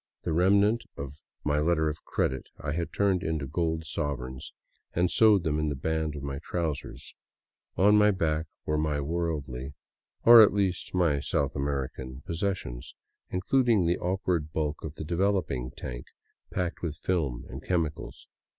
The remnant of my letter of credit I had turned into gold sovereigns and sewed them in the band of my trousers; on my back were my worldly — or at least my South American — posses sions, including the awkward bulk of the developing tank packed with films and chemicals.